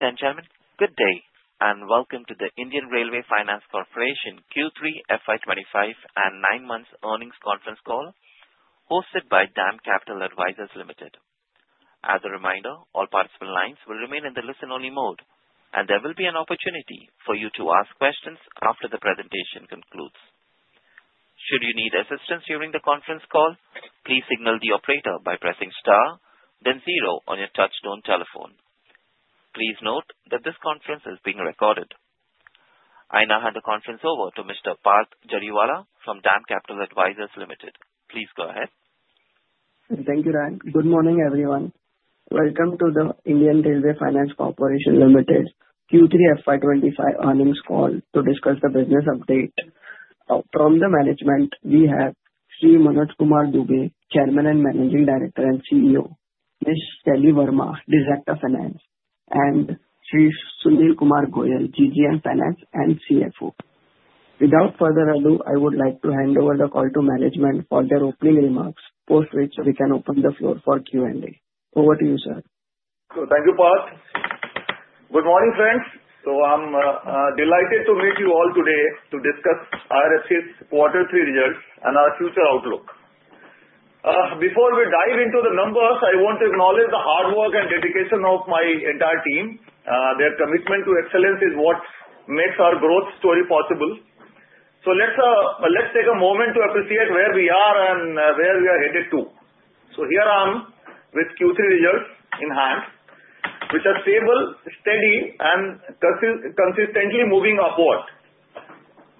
Then, gentlemen, good day and welcome to the Indian Railway Finance Corporation Q3 FY 2025 and 9 Months Earnings Conference Call hosted by DAM Capital Advisors Ltd. As a reminder, all participant lines will remain in the listen-only mode, and there will be an opportunity for you to ask questions after the presentation concludes. Should you need assistance during the conference call, please signal the operator by pressing star, then zero on your touch-tone telephone. Please note that this conference is being recorded. I now hand the conference over to Mr. Parth Jariwala from DAM Capital Advisors Ltd. Please go ahead. Thank you, Dan. Good morning, everyone. Welcome to the Indian Railway Finance Corporation Ltd Q3 FY 2025 earnings call to discuss the business update. From the management, we have Sri Manoj Kumar Dubey, Chairman and Managing Director and CEO, Ms. Shelly Verma, Director of Finance, and Sri Sunil Kumar Goel, GGM Finance and CFO. Without further ado, I would like to hand over the call to management for their opening remarks, post which we can open the floor for Q&A. Over to you, sir. Thank you, Parth. Good morning, friends. I'm delighted to meet you all today to discuss IRFC's quarter three results and our future outlook. Before we dive into the numbers, I want to acknowledge the hard work and dedication of my entire team. Their commitment to excellence is what makes our growth story possible. Let's take a moment to appreciate where we are and where we are headed. Here I am with Q3 results in hand, which are stable, steady, and consistently moving upward.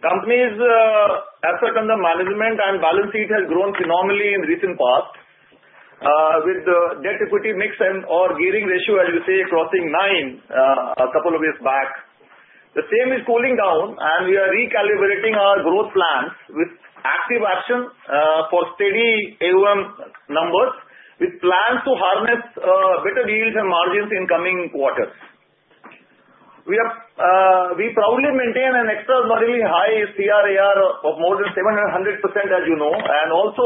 The company's assets under management and balance sheet have grown phenomenally in the recent past, with the debt/equity mix and/or gearing ratio, as we say, crossing nine a couple of years back. The same is cooling down, and we are recalibrating our growth plans with active action for steady AUM numbers, with plans to harness better deals and margins in coming quarters. We proudly maintain an extraordinarily high CRAR of more than 700%, as you know, and also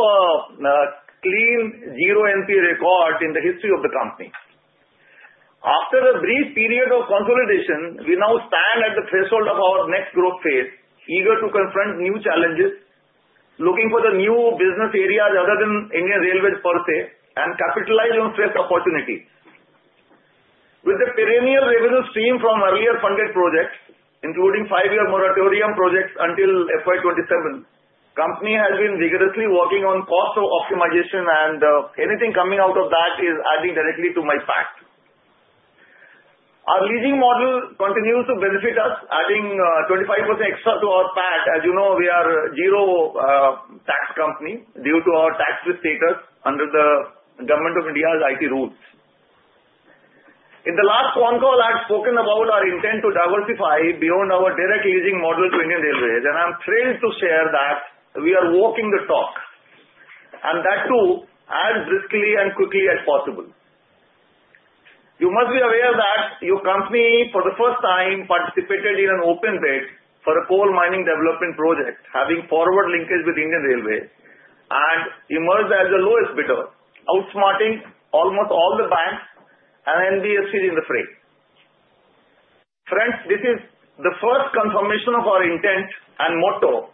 a clean zero NPA record in the history of the company. After a brief period of consolidation, we now stand at the threshold of our next growth phase, eager to confront new challenges, looking for the new business areas other than Indian Railways per se, and capitalize on fresh opportunities. With the perennial revenue stream from earlier funded projects, including five-year moratorium projects until FY27, the company has been vigorously working on cost optimization, and anything coming out of that is adding directly to my PAT. Our leasing model continues to benefit us, adding 25% extra to our PAT. As you know, we are a zero-tax company due to our tax-free status under the Government of India's IT rules. In the last phone call, I've spoken about our intent to diversify beyond our direct leasing model to Indian Railways, and I'm thrilled to share that we are walking the talk, and that too as briskly and quickly as possible. You must be aware that your company, for the first time, participated in an open bid for a coal mining development project, having forward linkage with Indian Railways, and emerged as the lowest bidder, outsmarting almost all the banks and NBFCs in the fray. Friends, this is the first confirmation of our intent and motto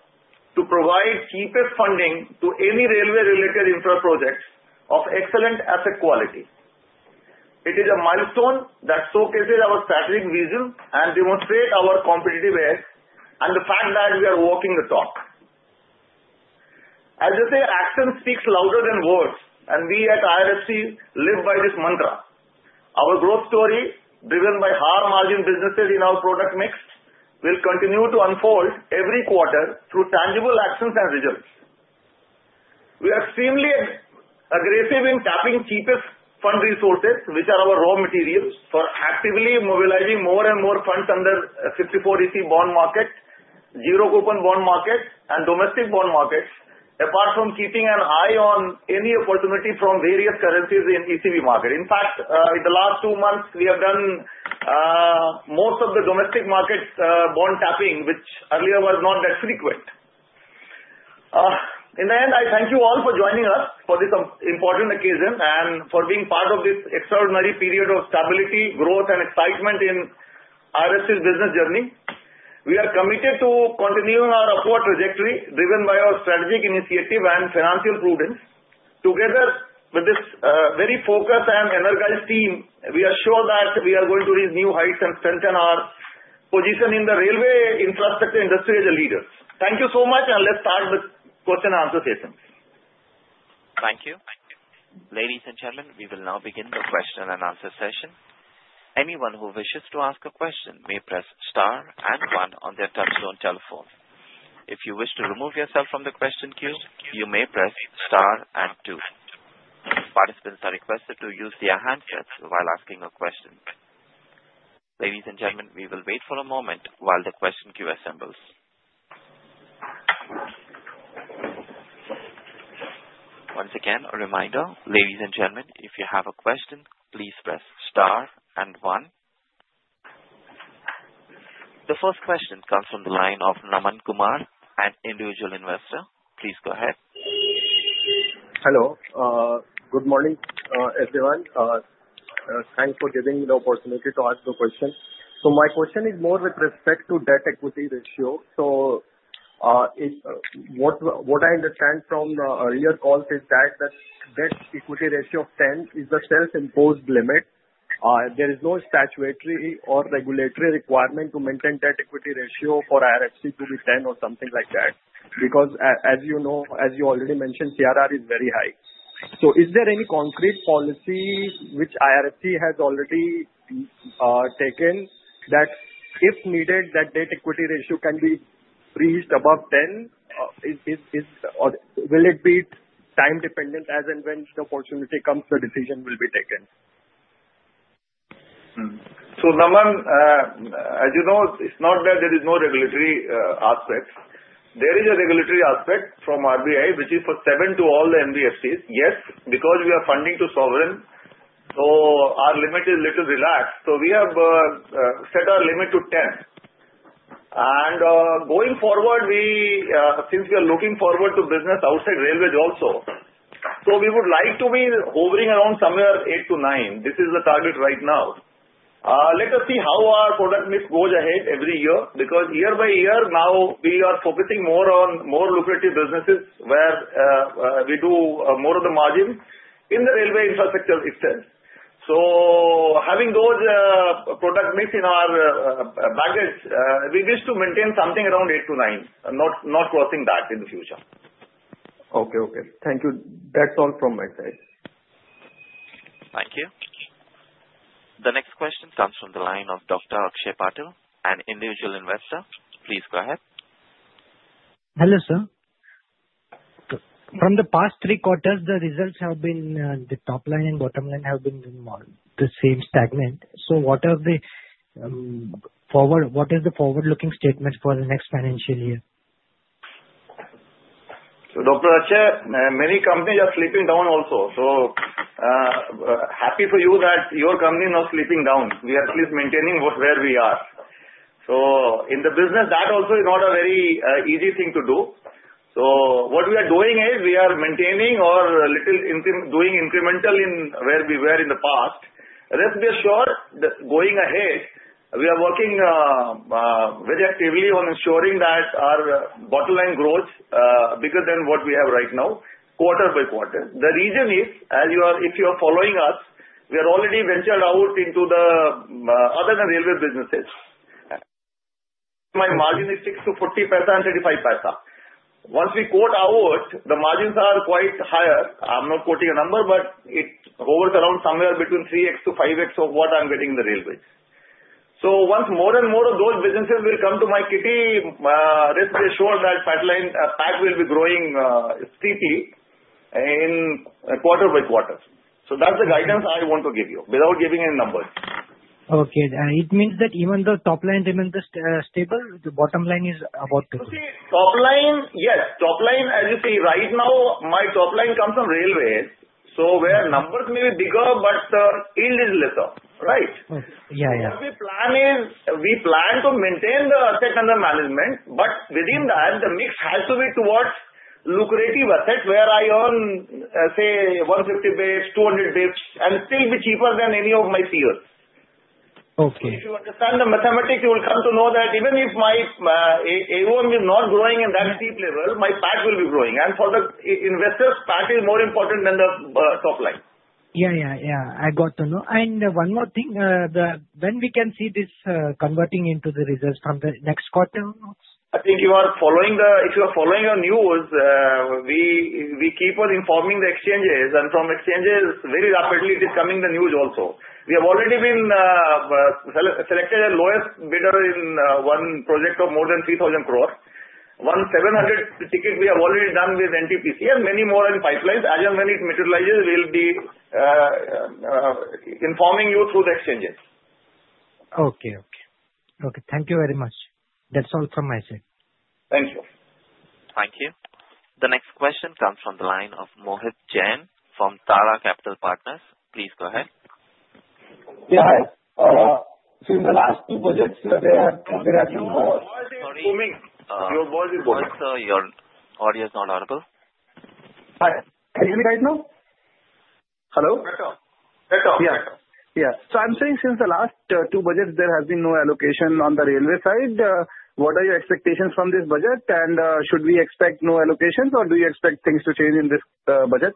to provide cheapest funding to any railway-related infra projects of excellent asset quality. It is a milestone that showcases our strategic vision and demonstrates our competitive edge and the fact that we are walking the talk. As they say, action speaks louder than words, and we at IRFC live by this mantra. Our growth story, driven by high margin businesses in our product mix, will continue to unfold every quarter through tangible actions and results. We are extremely aggressive in tapping cheapest fund resources, which are our raw materials, for actively mobilizing more and more funds under the 54EC bond market, zero-coupon bond market, and domestic bond markets, apart from keeping an eye on any opportunity from various currencies in the ECB market. In fact, in the last two months, we have done most of the domestic market bond tapping, which earlier was not that frequent. In the end, I thank you all for joining us for this important occasion and for being part of this extraordinary period of stability, growth, and excitement in IRFC's business journey. We are committed to continuing our upward trajectory, driven by our strategic initiative and financial prudence. Together with this very focused and energized team, we are sure that we are going to reach new heights and strengthen our position in the railway infrastructure industry as a leader. Thank you so much, and let's start the question and answer session. Thank you. Ladies and gentlemen, we will now begin the question and answer session. Anyone who wishes to ask a question may press star and one on their touch-tone telephone. If you wish to remove yourself from the question queue, you may press star and two. Participants are requested to use the handset while asking a question. Ladies and gentlemen, we will wait for a moment while the question queue assembles. Once again, a reminder, ladies and gentlemen, if you have a question, please press star and one. The first question comes from the line of Naman Kumar, an individual investor. Please go ahead. Hello. Good morning, everyone. Thanks for giving me the opportunity to ask the question. So, my question is more with respect to debt-to-equity ratio. So, what I understand from the earlier calls is that the debt-to-equity ratio of 10 is the self-imposed limit. There is no statutory or regulatory requirement to maintain that debt-to-equity ratio for IRFC to be 10 or something like that, because, as you know, as you already mentioned, CRAR is very high. So, is there any concrete policy which IRFC has already taken that, if needed, that debt-to-equity ratio can be reached above 10? Will it be time-dependent as and when the opportunity comes, the decision will be taken? Naman, as you know, it's not that there is no regulatory aspect. There is a regulatory aspect from RBI, which is for seven to all the NBFCs. Yes, because we are funding to sovereign, so our limit is a little relaxed. So, we have set our limit to 10. And going forward, since we are looking forward to business outside railways also, we would like to be hovering around somewhere eight to nine. This is the target right now. Let us see how our product mix goes ahead every year, because year by year, now we are focusing more on more lucrative businesses where we do more of the margin in the railway infrastructure itself. So, having those product mix in our baggage, we wish to maintain something around eight to nine, not crossing that in the future. Okay. Okay. Thank you. That's all from my side. Thank you. The next question comes from the line of Dr. Akshay Patil, an individual investor. Please go ahead. Hello, sir. From the past three quarters, the results have been the top line and bottom line have been in the same segment. So, what is the forward-looking statement for the next financial year? Dr. Akshay Patil, many companies are sleeping down also. Happy for you that your company is not sleeping down. We are at least maintaining where we are. In the business, that also is not a very easy thing to do. What we are doing is we are maintaining or doing incremental in where we were in the past. Let's be assured that going ahead, we are working very actively on ensuring that our bottom line growth is bigger than what we have right now, quarter by quarter. The reason is, if you are following us, we have already ventured out into the other railway businesses. My margin is 6-40 paisa and 35 paisa. Once we quote out, the margins are quite higher. I'm not quoting a number, but it hovers around somewhere between 3x to 5x of what I'm getting in the railways. So, once more and more of those businesses will come to my kitty, let's be assured that PAT will be growing steeply in quarter by quarter. So, that's the guidance I want to give you without giving any numbers. Okay. It means that even though top line remains stable, the Bottom Line is about to grow? Top line, yes. Top line, as you see, right now, my top line comes from railways, so where numbers may be bigger, but yield is lesser. Right? Yeah. Yeah. The plan is we plan to maintain the assets under management, but within that, the mix has to be towards lucrative assets where I earn, say, 150 basis points, 200 basis points, and still be cheaper than any of my peers. Okay. If you understand the mathematics, you will come to know that even if my AUM is not growing in that steep level, my PAT will be growing, and for the investors, PAT is more important than the top line. Yeah. Yeah. Yeah. I got to know. And one more thing, when we can see this converting into the results from the next quarter? I think if you are following our news, we keep on informing the exchanges, and from exchanges, very rapidly, it is coming the news also. We have already been selected as lowest bidder in one project of more than 3,000 crores. One 700 ticket we have already done with NTPC and many more in pipelines. As and when it materializes, we'll be informing you through the exchanges. Okay. Thank you very much. That's all from my side. Thank you. Thank you. The next question comes from the line of Mohit Jain from Tara Capital Partners. Please go ahead. Yeah. Hi. Since the last two budgets, there has been more booming. Sorry. Your voice is booming. Sir, your audio is not audible. Can you hear me right now? Hello? Better. Better. I'm saying since the last two budgets, there has been no allocation on the railway side. What are your expectations from this budget, and should we expect no allocations, or do you expect things to change in this budget?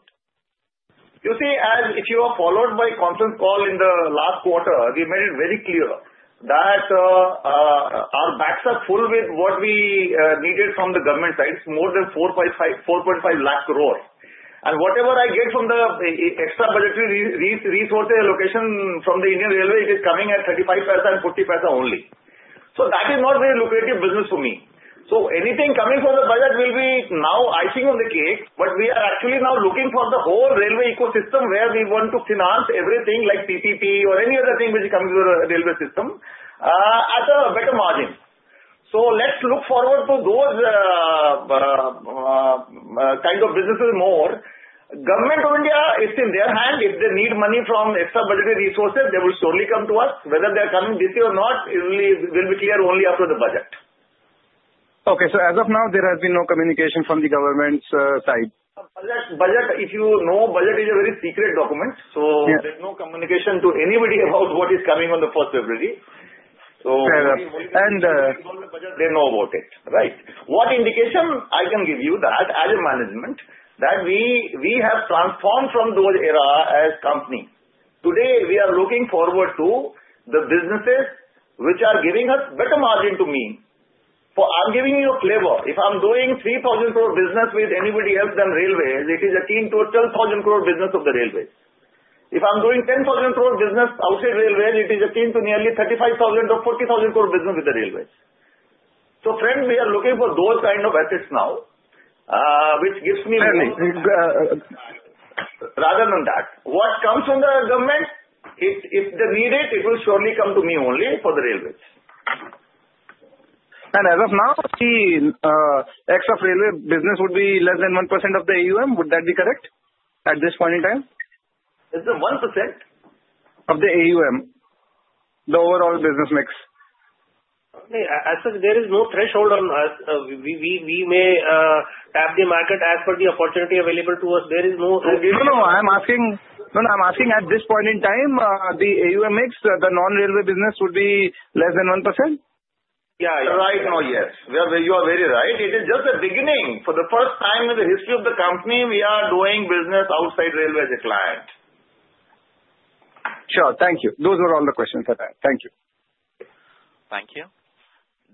You see, as if you have followed the conference call in the last quarter, we made it very clear that our books are full with what we needed from the government side, more than 4.5 lakh crores. And whatever I get from the extra budgetary resources allocation from the Indian Railways is coming at 0.35 and 0.40 only. That is not very lucrative business for me. Anything coming from the budget will now be icing on the cake, but we are actually now looking for the whole railway ecosystem where we want to finance everything like PPP or any other thing which is coming to the railway system at a better margin. Let's look forward to those kinds of businesses more. Government of India, it's in their hands. If they need money from extra budgetary resources, they will surely come to us. Whether they are coming this year or not will be clear only after the budget. Okay. As of now, there has been no communication from the government's side. Budget, if you know, budget is a very secret document, so there's no communication to anybody about what is coming on the 1st February. So. Fair enough. They know about it. Right. What indication can I give you that, as a management, we have transformed from that era as a company. Today, we are looking forward to the businesses which are giving us better margins for me. I'm giving you a flavor. If I'm doing 3,000 crore business with anybody else than railways, it is akin to a 12,000 crore business of the railways. If I'm doing 10,000 crore business outside railways, it is akin to nearly 35,000 crore or 40,000 crore business with the railways. So, friends, we are looking for those kinds of assets now, which give me value. Rather than that, what comes from the government, if they need it, it will surely come to me only for the railways. As of now, the exposure to the railway business would be less than 1% of the AUM. Would that be correct at this point in time? It's 1%. Of the AUM, the overall business mix? As such, there is no threshold on us. We may tap the market as per the opportunity available to us. There is no. No, no, no. I'm asking at this point in time, the AUM mix, the non-railway business would be less than 1%? Yeah. Yeah. Right now, yes. You are very right. It is just the beginning. For the first time in the history of the company, we are doing business outside railways as a client. Sure. Thank you. Those were all the questions that I had. Thank you. Thank you.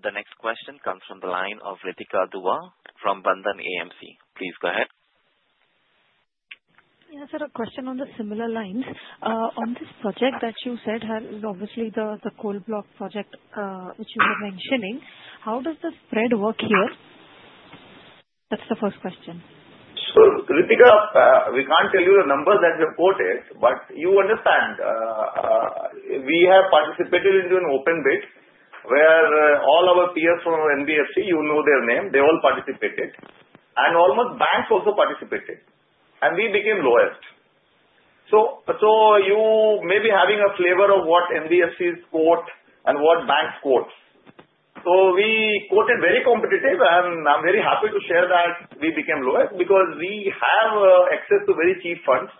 The next question comes from the line of Ritika Dua from Bandhan AMC. Please go ahead. Yes, sir. A question on the similar lines. On this project that you said has obviously the coal block project which you were mentioning, how does the spread work here? That's the first question. Ritika, we can't tell you the numbers that we have quoted, but you understand we have participated in an open bid where all our peers from NBFC, you know their name, they all participated. And almost banks also participated. And we became lowest. You may be having a flavor of what NBFCs quote and what banks quote. We quoted very competitive, and I'm very happy to share that we became lowest because we have access to very cheap funds.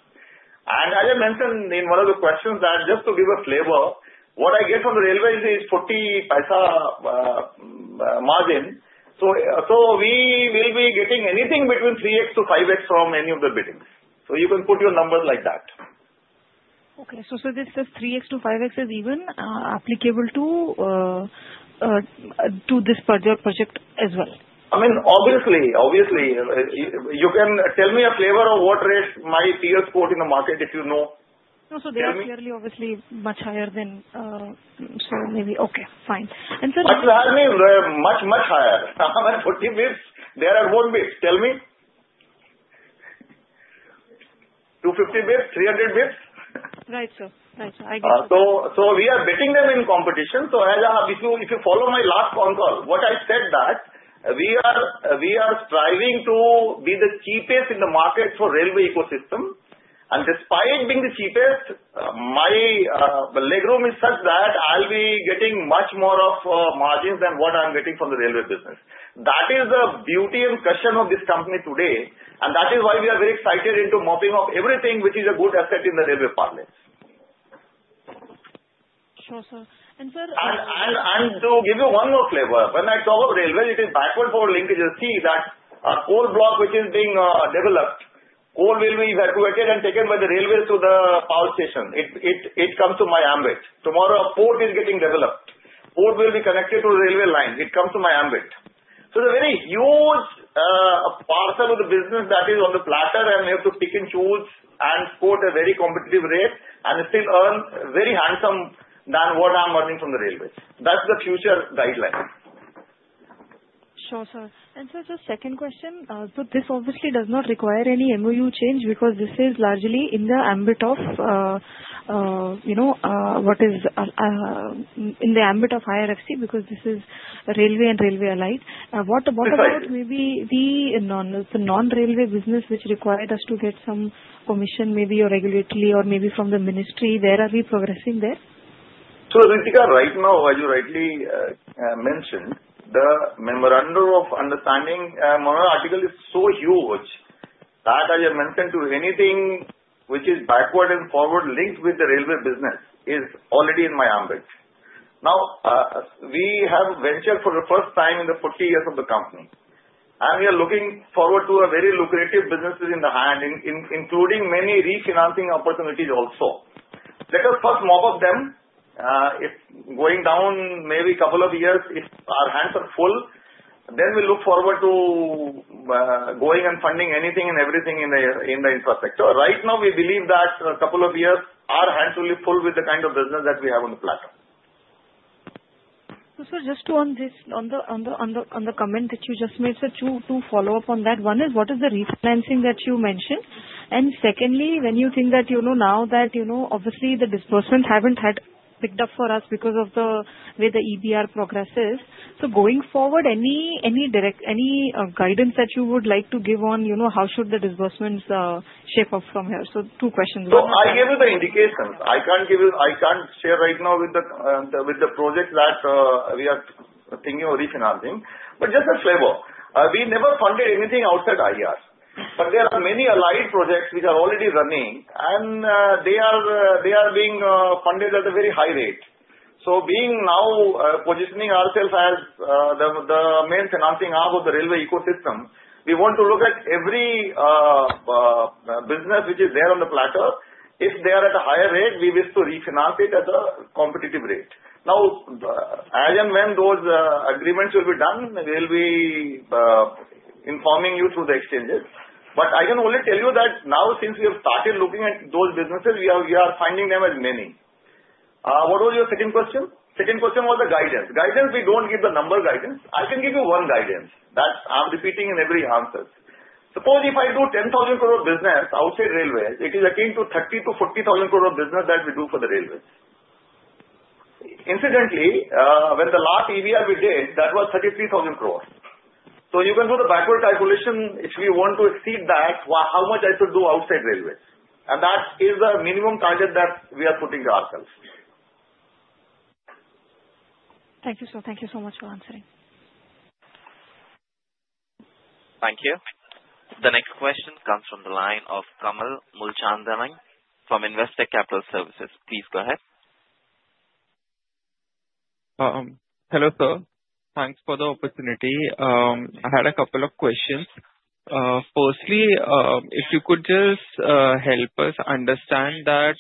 And as I mentioned in one of the questions, just to give a flavor, what I get from the railways is 0.40 margin. We will be getting anything between 3x to 5x from any of the bidding. You can put your numbers like that. Okay. So, this 3x to 5x is even applicable to this particular project as well? I mean, obviously. Obviously. You can tell me a flavor of what rate my peers quote in the market if you know. No. So, they are clearly obviously much higher than so, maybe. Okay. Fine. And so. But you heard me much, much higher. I'm at 40 basis points. They are at one basis point. Tell me. 250 basis points, 300 basis points? Right. So, I get it. So, we are beating them in competition. So, if you follow my last phone call, what I said that we are striving to be the cheapest in the market for railway ecosystem. And despite being the cheapest, my legroom is such that I'll be getting much more of margins than what I'm getting from the railway business. That is the beauty and cushion of this company today. And that is why we are very excited into mopping up everything which is a good asset in the railway ecosystem. Sure. Sure. And, sir. To give you one more flavor, when I talk of railways, it is backward for linkages. See that coal block which is being developed. Coal will be evacuated and taken by the railways to the power station. It comes to my ambit. Tomorrow, a port is getting developed. Port will be connected to the railway line. It comes to my ambit. So, it's a very huge parcel of the business that is on the platter, and we have to pick and choose and quote a very competitive rate and still earn very handsome than what I'm earning from the railways. That's the future guideline. Sure. Sure. And, sir, just second question. So, this obviously does not require any MOU change because this is largely in the ambit of what is in the ambit of IRFC because this is railway and railway alike. What about maybe the non-railway business which required us to get some permission, maybe regulatory or maybe from the ministry? Where are we progressing there? So, Ritika, right now, as you rightly mentioned, the memorandum of understanding article is so huge that, as I mentioned, to anything which is backward and forward linked with the railway business is already in my ambit. Now, we have ventured for the first time in the 40 years of the company, and we are looking forward to a very lucrative business in the hand, including many refinancing opportunities also. Let us first mop up them. If going down maybe a couple of years, if our hands are full, then we look forward to going and funding anything and everything in the infrastructure. Right now, we believe that a couple of years, our hands will be full with the kind of business that we have on the platter. So, sir, just on the comment that you just made, sir, to follow up on that, one is what is the refinancing that you mentioned? And secondly, when you think that now that obviously the disbursements haven't had picked up for us because of the way the EBR progresses, so going forward, any guidance that you would like to give on how should the disbursements shape up from here? So, two questions. So, I gave you the indications. I can't share right now with the project that we are thinking of refinancing. But just a flavor, we never funded anything outside IRFC. But there are many allied projects which are already running, and they are being funded at a very high rate. So, being now positioning ourselves as the main financing arm of the railway ecosystem, we want to look at every business which is there on the platter. If they are at a higher rate, we wish to refinance it at a competitive rate. Now, as and when those agreements will be done, we'll be informing you through the exchanges. But I can only tell you that now, since we have started looking at those businesses, we are finding them as many. What was your second question? Second question was the guidance. Guidance, we don't give the number guidance. I can give you one guidance that I'm repeating in every answer. Suppose if I do 10,000 crore business outside railways, it is akin to 30,000 crore-40,000 crore of business that we do for the railways. Incidentally, when the last EBR we did, that was 33,000 crore. So, you can do the backward calculation if we want to exceed that, how much I should do outside railways. And that is the minimum target that we are putting to ourselves. Thank you, sir. Thank you so much for answering. Thank you. The next question comes from the line of Kamal Mulchandani from Investec Capital Services. Please go ahead. Hello, sir. Thanks for the opportunity. I had a couple of questions. Firstly, if you could just help us understand that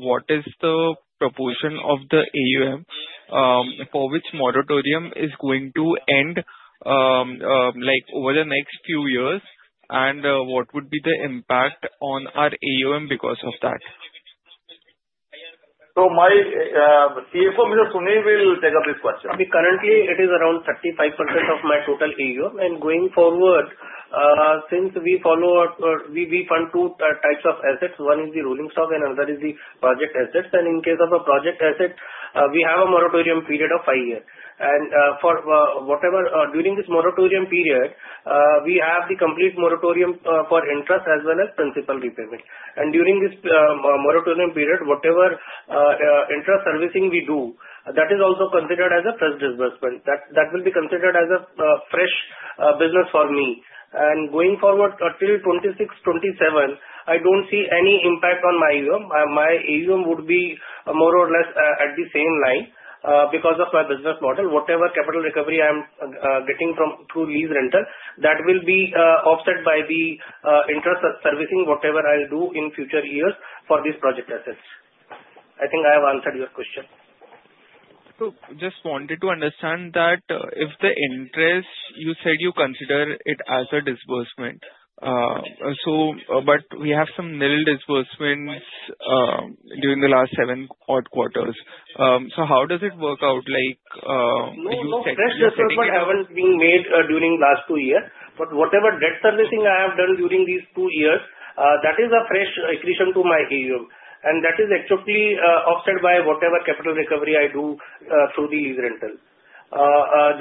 what is the proposal of the AUM for which moratorium is going to end over the next few years, and what would be the impact on our AUM because of that? So, my CFO, Mr. Sunil, will take up this question. Currently, it is around 35% of my total AUM. Going forward, since we fund two types of assets, one is the rolling stock and another is the project assets. In case of a project asset, we have a moratorium period of five years. During this moratorium period, we have the complete moratorium for interest as well as principal repayment. During this moratorium period, whatever interest servicing we do, that is also considered as a fresh disbursement. That will be considered as a fresh business for me. Going forward until 2026, 2027, I don't see any impact on my AUM. My AUM would be more or less on the same lines because of my business model. Whatever capital recovery I'm getting through lease rental, that will be offset by the interest servicing, whatever I'll do in future years for these project assets. I think I have answered your question. So, just wanted to understand that if the interest, you said you consider it as a disbursement. But we have some nil disbursements during the last seven quarters. So, how does it work out? No, no. Fresh disbursement hasn't been made during the last two years. But whatever debt servicing I have done during these two years, that is a fresh accretion to my AUM. And that is actually offset by whatever capital recovery I do through the lease rental.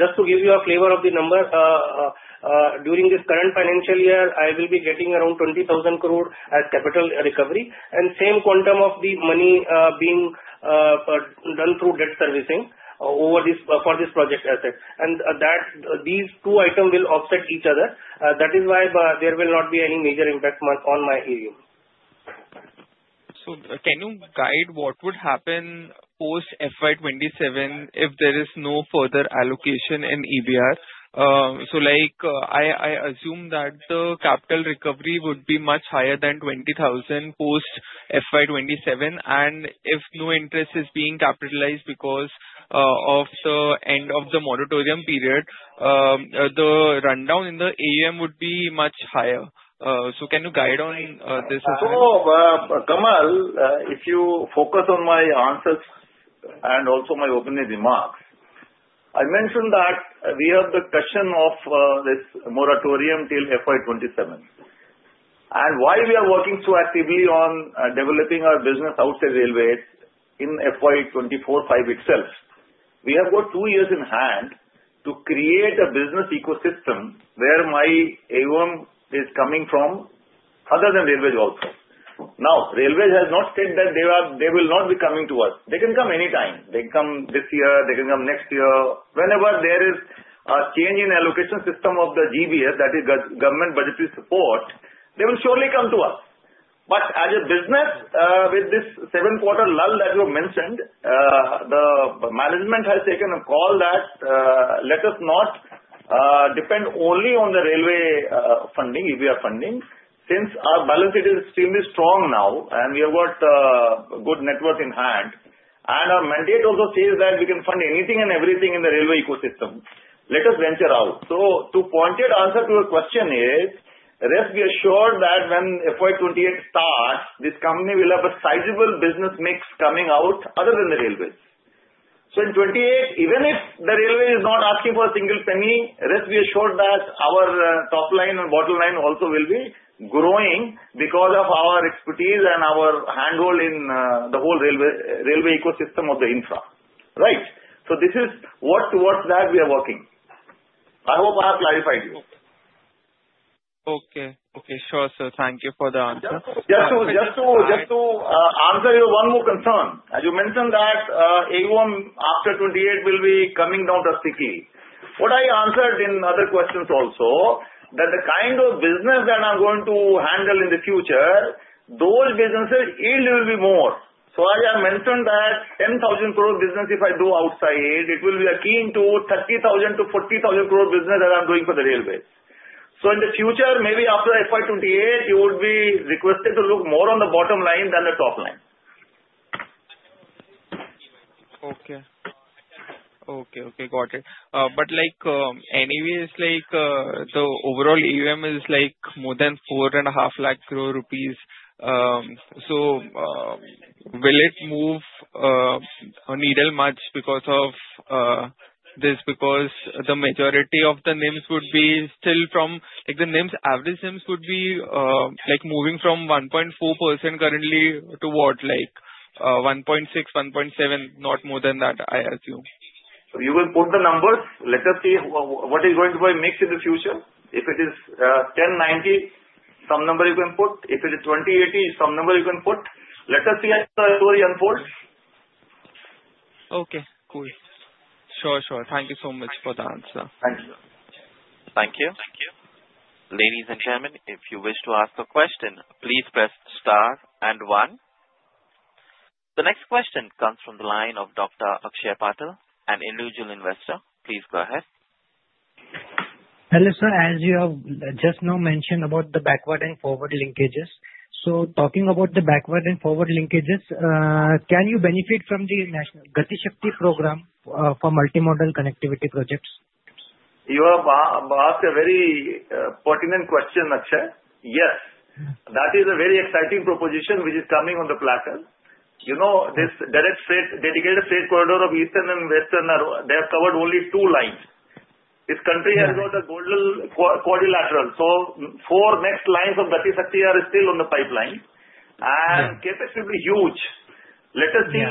Just to give you a flavor of the number, during this current financial year, I will be getting around 20,000 crore as capital recovery and same quantum of the money being done through debt servicing for this project asset. And these two items will offset each other. That is why there will not be any major impact on my AUM. Can you guide what would happen post FY 2027 if there is no further allocation in EBR? I assume that the capital recovery would be much higher than 20,000 post FY 2027. If no interest is being capitalized because of the end of the moratorium period, the rundown in the AUM would be much higher. Can you guide on this as well? So, Kamal, if you focus on my answers and also my opening remarks, I mentioned that we have the question of this moratorium till FY 2027. And while we are working so actively on developing our business outside railways in FY 2024-2025 itself, we have got two years in hand to create a business ecosystem where my AUM is coming from other than railways outside. Now, railways have not said that they will not be coming to us. They can come anytime. They can come this year. They can come next year. Whenever there is a change in allocation system of the GBS, that is government budgetary support, they will surely come to us. But as a business, with this seven-quarter lull that you have mentioned, the management has taken a call that let us not depend only on the railway funding, EBR funding, since our balance sheet is extremely strong now, and we have got a good network in hand. And our mandate also says that we can fund anything and everything in the railway ecosystem. Let us venture out. So, to pointed answer to your question is, rest be assured that when FY 2028 starts, this company will have a sizable business mix coming out other than the railways. So, in 2028, even if the railway is not asking for a single penny, rest be assured that our top line and bottom line also will be growing because of our expertise and our handle in the whole railway ecosystem of the infra. Right. So, this is what towards that we are working. I hope I have clarified you. Okay. Sure, sir. Thank you for the answer. Just to answer your one more concern, as you mentioned that AUM after 2028 will be coming down drastically. What I answered in other questions also, that the kind of business that I'm going to handle in the future, those businesses yield will be more. So, as I mentioned that 10,000 crore business if I do outside, it will be akin to 30,000 crore-40,000 crore business that I'm doing for the railways. So, in the future, maybe after FY 2028, you would be requested to look more on the bottom line than the top line. Okay. Got it. But anyways, the overall AUM is more than 4.5 lakh crore rupees. So, will it move a needle much because of this? Because the majority of the names would be still from the names, average names would be moving from 1.4% currently to what? 1.6, 1.7, not more than that, I assume. So, you can put the numbers. Let us see what is going to be mixed in the future. If it is 1090, some number you can put. If it is 2080, some number you can put. Let us see as the story unfolds. Okay. Cool. Sure. Sure. Thank you so much for the answer. Thank you. Thank you. Ladies and gentlemen, if you wish to ask a question, please press star and one. The next question comes from the line of Dr. Akshay Patil, an individual investor. Please go ahead. Hello, sir. As you have just now mentioned about the backward and forward linkages, so talking about the backward and forward linkages, can you benefit from the Gati Shakti program for multimodal connectivity projects? You have asked a very pertinent question, Akshay. Yes. That is a very exciting proposition which is coming on the platter. This Dedicated Freight Corridor of Eastern and Western, they have covered only two lines. This country has got a Golden Quadrilateral. So, four next lines of Gati Shakti are still on the pipeline. And CapEx will be huge. Let us see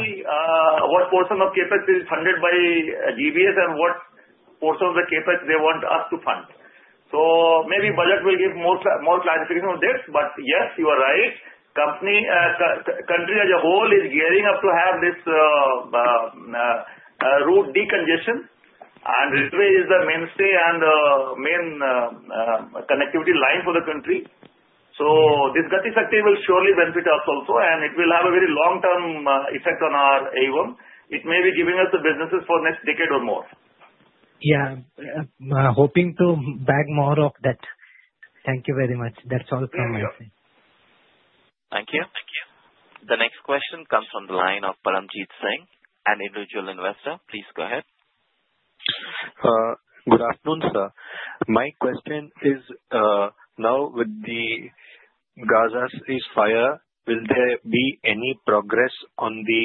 what portion of CapEx is funded by GBS and what portion of the CapEx they want us to fund. So, maybe budget will give more clarification on this. But yes, you are right. Country as a whole is gearing up to have this route decongestion. And this way is the mainstay and the main connectivity line for the country. So, this Gati Shakti will surely benefit us also. And it will have a very long-term effect on our AUM. It may be giving us the businesses for the next decade or more. Yeah. Hoping to bag more of that. Thank you very much. That's all from my side. Thank you. The next question comes from the line of Paramjit Singh, an individual investor. Please go ahead. Good afternoon, sir. My question is, now with the Gaza ceasefire, will there be any progress on the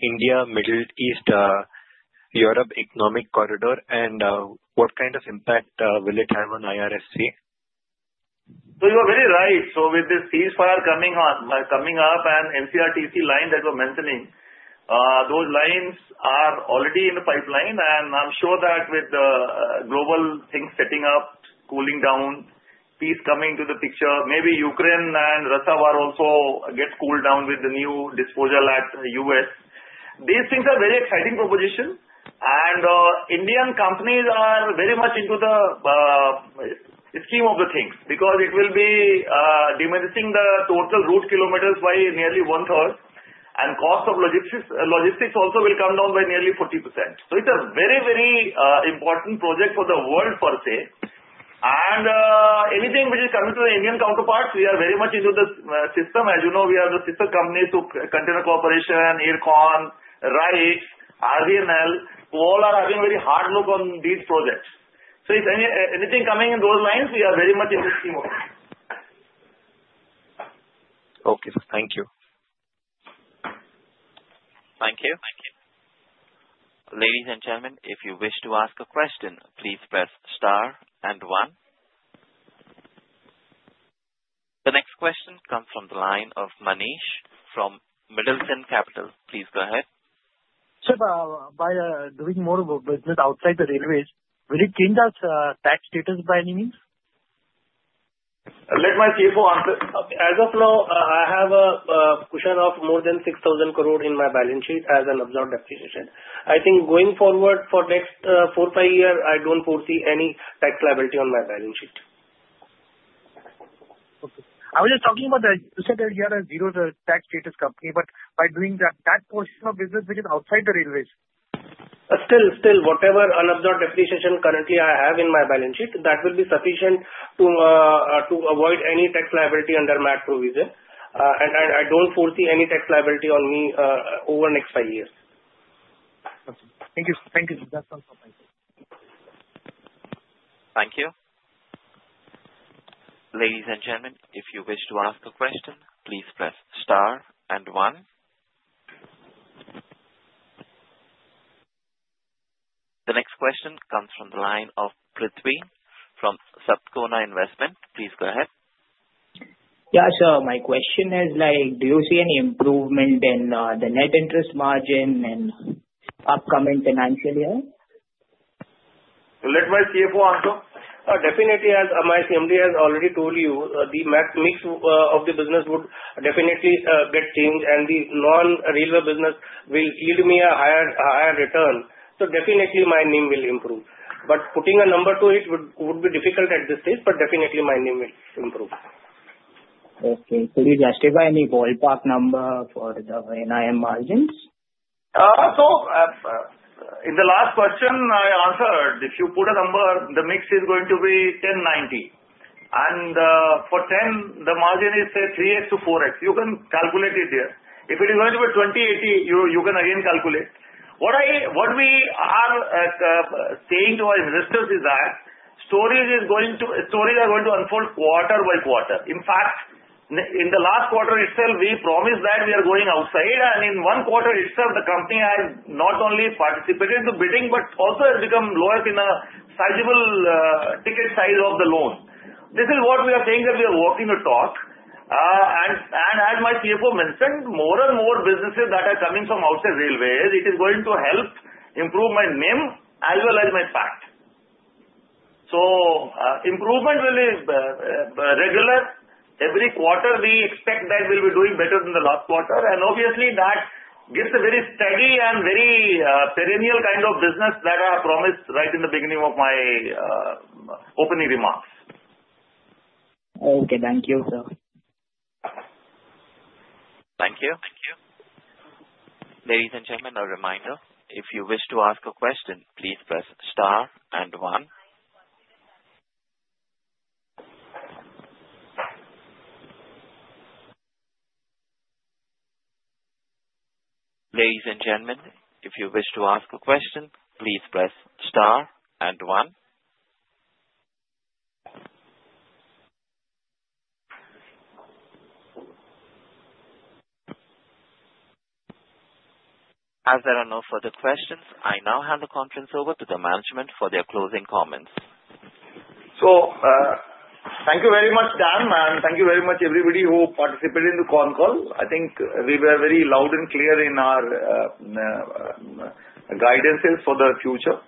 India-Middle East-Europe Economic Corridor? And what kind of impact will it have on IRFC? So, you are very right. So, with this ceasefire coming up and NCRTC line that you are mentioning, those lines are already in the pipeline. And I'm sure that with the global things setting up, cooling down, peace coming to the picture, maybe Ukraine and Russia will also get cooled down with the new administration in the U.S. These things are very exciting propositions. And Indian companies are very much into the scheme of the things because it will be diminishing the total route kilometers by nearly one-third. And cost of logistics also will come down by nearly 40%. So, it's a very, very important project for the world per se. And anything which is coming to the Indian counterparts, we are very much into the system. As you know, we are the sister companies to Container Corporation, IRCON, RITES, RVNL. All are having a very hard look on these projects. So, if anything is coming in those lines, we are very much in the scheme of it. Okay. Thank you. Thank you. Ladies and gentlemen, if you wish to ask a question, please press star and one. The next question comes from the line of Manish from Middleton Capital. Please go ahead. Sir, by doing more business outside the railways, will it change our tax status by any means? Let my CFO answer. As of now, I have a cushion of more than 6,000 crore in my balance sheet as an absurd definition. I think going forward for the next four, five years, I don't foresee any tax liability on my balance sheet. Okay. I was just talking about that you said that you are a zero tax status company. But by doing that, that portion of business which is outside the railways? Still, whatever unabsorbed depreciation currently I have in my balance sheet, that will be sufficient to avoid any tax liability under MAT provision. And I don't foresee any tax liability on me over the next five years. Okay. Thank you. Thank you. Thank you. Ladies and gentlemen, if you wish to ask a question, please press star and one. The next question comes from the line of [Prithvi] from [Subhkam Investment]. Please go ahead. Yeah, sure. My question is, do you see any improvement in the net interest margin in the upcoming financial year? Let my CFO answer. Definitely, as my CMD has already told you, the mix of the business would definitely get changed, and the non-railway business will yield me a higher return, so definitely, my NIM will improve, but putting a number to it would be difficult at this stage, but definitely, my NIM will improve. Okay. Could you justify any ballpark number for the NIM margins? So, in the last question, I answered, if you put a number, the mix is going to be 10-90. And for 10, the margin is 3% to 4%. You can calculate it there. If it is going to be 20-80, you can again calculate. What we are saying to our investors is that stories are going to unfold quarter by quarter. In fact, in the last quarter itself, we promised that we are going outside. And in one quarter itself, the company has not only participated in the bidding, but also has become lowest in a sizable ticket size of the loan. This is what we are saying that we are working on track. And as my CFO mentioned, more and more businesses that are coming from outside railways, it is going to help improve my NIM as well as my PAT. So, improvement will be regular. Every quarter, we expect that we'll be doing better than the last quarter. And obviously, that gives a very steady and very perennial kind of business that I have promised right in the beginning of my opening remarks. Okay. Thank you, sir. Thank you. Ladies and gentlemen, a reminder. If you wish to ask a question, please press star and one. Ladies and gentlemen, if you wish to ask a question, please press star and one. As there are no further questions, I now hand the conference over to the management for their closing comments. Thank you very much, Dan, and thank you very much, everybody who participated in the con call. I think we were very loud and clear in our guidances for the future.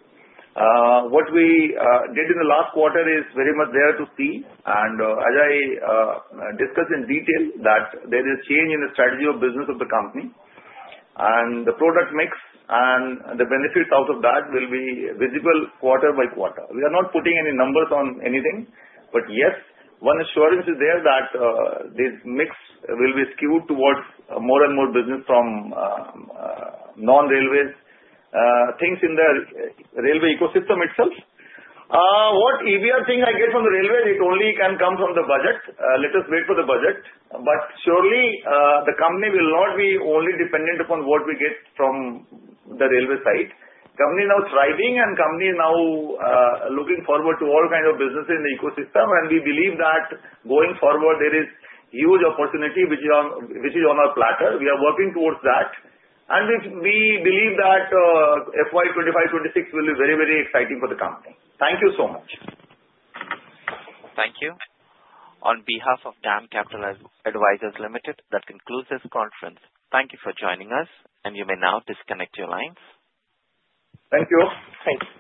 What we did in the last quarter is very much there to see, as I discussed in detail, that there is a change in the strategy of business of the company, and the product mix and the benefits out of that will be visible quarter by quarter. We are not putting any numbers on anything, but yes, one assurance is there that this mix will be skewed towards more and more business from non-railways, things in the railway ecosystem itself. Whatever EBR I get from the railways, it only can come from the budget. Let us wait for the budget. But surely, the company will not be only dependent upon what we get from the railway side. Company is now thriving. And company is now looking forward to all kinds of businesses in the ecosystem. And we believe that going forward, there is a huge opportunity which is on our platter. We are working towards that. And we believe that FY 2025-2026 will be very, very exciting for the company. Thank you so much. Thank you. On behalf of DAM Capital Advisors Ltd, that concludes this conference. Thank you for joining us. And you may now disconnect your lines. Thank you. Thanks.